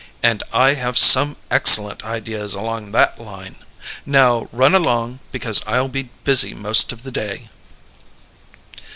"And I have some excellent ideas along that line. Now, run along, because I'll be busy most of the day."